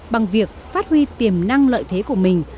bằng việc phát huy tiềm năng lợi thế của mình